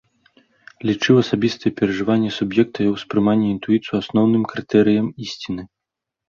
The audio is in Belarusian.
Лічыў асабістыя перажыванні суб'екта, яго ўспрыманне і інтуіцыю асноўным крытэрыем ісціны.